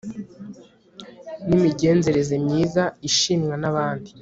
n'imigenzereze myiza ishimwa n'abandi